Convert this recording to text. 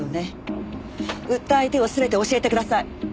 売った相手を全て教えてください。